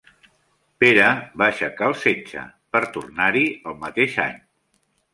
Pere va aixecar el setge, per tornar-hi el mateix any.